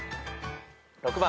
６番。